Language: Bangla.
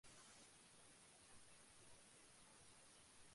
কাগজটা বার করবার চেষ্টা করো, তাতে কারও সমালোচনার দরকার নেই।